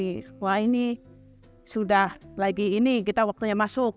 wah ini sudah lagi ini kita waktunya masuk